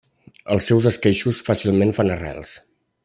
Els seus esqueixos fàcilment fan arrels.